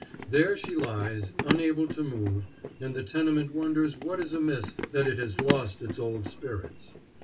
There she lies, unable to move, and the tenement wonders what is amiss that it has lost its old spirits.